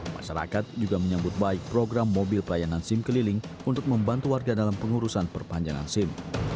masyarakat juga menyambut baik program mobil pelayanan sim keliling untuk membantu warga dalam pengurusan perpanjangan sim